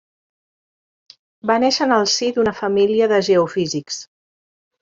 Va néixer en el si una família de geofísics.